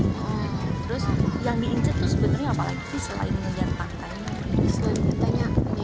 terus yang diincer sebenarnya apalagi sih selain menjelang pantai